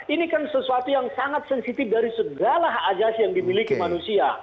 ini kan sesuatu yang sangat sensitif dari segala ajas yang dimiliki manusia